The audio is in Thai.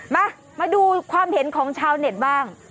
มาดูความเห็นของชาวเน็ตบ้าง